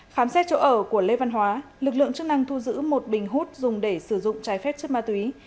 khám xét chỗ ở của lê văn hóa lực lượng chức năng thu giữ một bình hút dùng để sử dụng trái phép chất ma túy